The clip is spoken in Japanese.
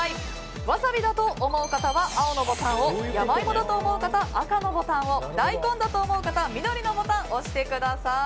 ワサビだと思う人は青のボタンを山芋だと思う方は青のボタンを大根だと思う人は緑のボタンを押してください。